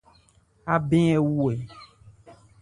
Abɛ ɛ wu ɛ ?